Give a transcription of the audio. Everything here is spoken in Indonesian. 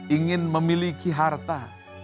ingin memiliki harta